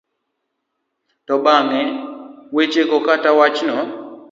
To bang'e, wechego kata wachno